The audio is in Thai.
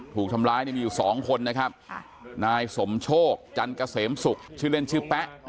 ถูกทำร้ายเนี่ยมีอยู่สองคนนะครับนายสมโชคจันเกษมศุกร์ชื่อเล่นชื่อแป๊ะ